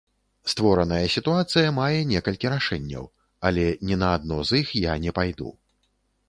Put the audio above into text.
Створаная сітуацыя мае некалькі рашэнняў, але ні адно з іх я не пайду.